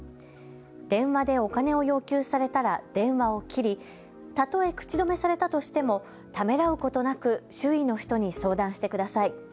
電話でお金を要求されたら電話を切りたとえ口止めされたとしてもためらうことなく周囲の人に相談してください。